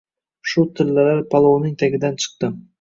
– Shu tillalar palovning tagidan chiqdi.